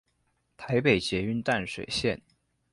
臺北捷運淡水線